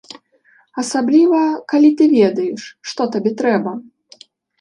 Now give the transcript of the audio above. Асабліва, калі ты ведаеш, што табе трэба.